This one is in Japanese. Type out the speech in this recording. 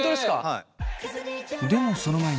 はい。